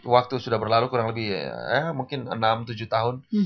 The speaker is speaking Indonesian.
waktu sudah berlalu kurang lebih mungkin enam tujuh tahun